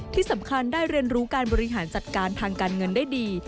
ที่สำคัญได้เรียนรู้การบริหารจัดการทางการเงินได้ดี